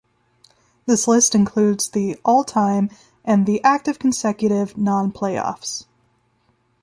This list includes the all-time and the active consecutive non-playoffs.